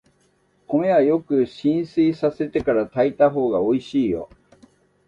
米はよく浸水させてから炊いたほうがおいしいよ。